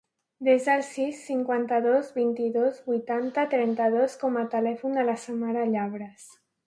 Desa el sis, cinquanta-dos, vint-i-dos, vuitanta, trenta-dos com a telèfon de la Samara Llabres.